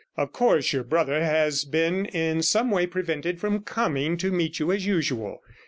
Of course your brother has been in some way prevented from coming to meet you as usual.